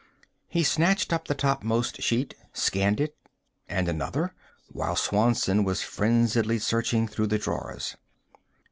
He snatched up the topmost sheet, scanned it, and another, while Swanson was frenziedly searching through the drawers.